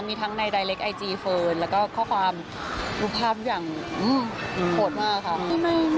มีทั้งในไยเล็กไอจีเฟิร์นแล้วก็ข้อความรูปภาพทุกอย่างโหดมากค่ะ